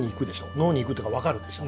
脳に行くというかわかるでしょ。